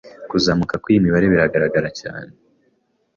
Kuzamuka kw'iyi mibare kuragaragara cyane